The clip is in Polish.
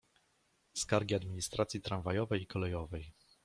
"Skargi administracji tramwajowej i kolejowej."